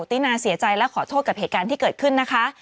ตินาเสียใจและขอโทษกับเหตุการณ์ที่เกิดขึ้นนะคะ